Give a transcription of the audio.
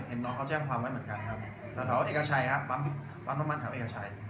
เพราะเขาแจ้งความว่างั้นเหมือนกันครับถ้าถามว่าเอกชัยครับปั๊บน้ำมันถามเอกชัย